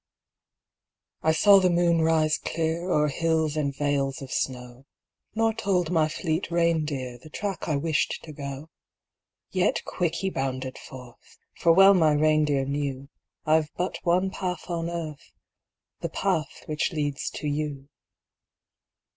I saw the moon rise clear O'er hills and vales of snow Nor told my fleet reindeer The track I wished to go. Yet quick he bounded forth; For well my reindeer knew I've but one path on earth The path which leads to you.